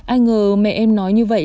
ai ngờ mẹ em nói như vậy